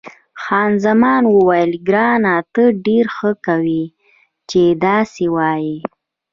خان زمان وویل، ګرانه ته ډېره ښه کوې چې داسې وایې.